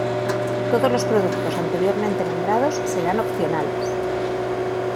Todos los productos anteriormente nombrados serán opcionales.